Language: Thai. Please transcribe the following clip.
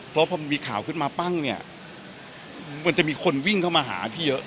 เพราะพอมีข่าวขึ้นมาปั้งเนี่ยมันจะมีคนวิ่งเข้ามาหาพี่เยอะ